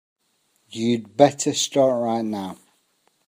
You'd better start right now.